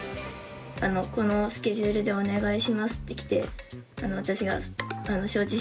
「このスケジュールでお願いします」って来て私が「承知しました。